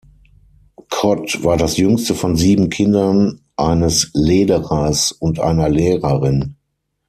Codd war das jüngste von sieben Kindern eines Lederers und einer Lehrerin.